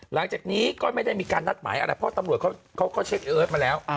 หลังจากนี้ก็ไม่ได้มีการนัดหมายอะไรเพราะตำรวจเขาก็เช็คเอิร์ทมาแล้ว